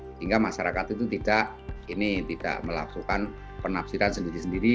sehingga masyarakat itu tidak melakukan penafsiran sendiri sendiri